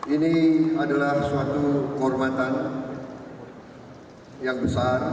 ini adalah suatu kehormatan yang besar